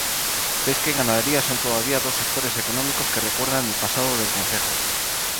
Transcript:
Pesca y ganadería son todavía dos sectores económicos que recuerdan el pasado del concejo.